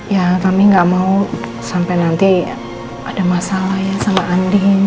ya kami nggak mau sampai nanti ada masalah ya sama andi